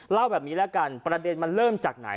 เล่าแบบนี้แล้วกันประเด็นมันเริ่มจากไหน